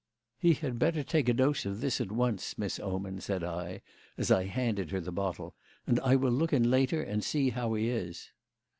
"He had better take a dose of this at once, Miss Oman," said I, as I handed her the bottle, "and I will look in later and see how he is."